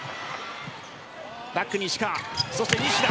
バック石川、そして西田。